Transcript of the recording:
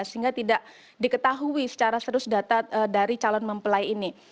sehingga tidak diketahui secara serius data dari calon mempelai ini